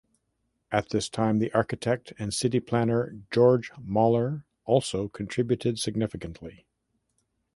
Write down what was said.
At this time the architect and city planner Georg Moller also contributed significantly.